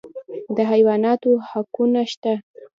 د حیواناتو حقونه شته